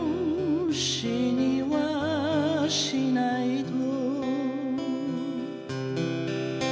「死にはしないと」